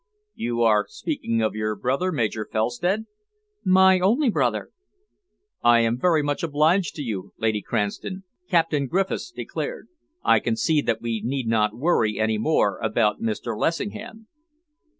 "You are speaking of your brother, Major Felstead?" "My only brother." "I am very much obliged to you, Lady Cranston," Captain Griffiths declared. "I can see that we need not worry any more about Mr. Lessingham."